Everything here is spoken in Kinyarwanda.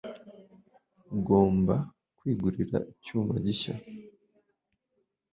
Ugomba kwigurira icyuma gishya.